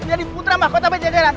menjadi putra makota bajajaran